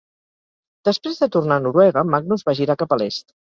Després de tornar a Noruega, Magnus va girar cap a l'est.